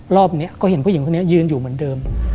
รอบนี้ก็เห็นผู้หญิงคนนี้ยืนอยู่เหมือนเดิม